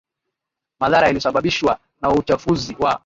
madhara yaliyosababishwa na uchafuzi wa